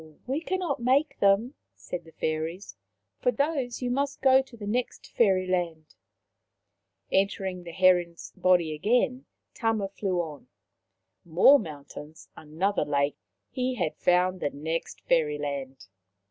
We cannot make them," said the Fairies. For those you must go to the next Fairy land." Entering the heron's body again, Tama flew on. u Tama and his Wife 203 More mountains, another lake ; he had found the next Fairyland.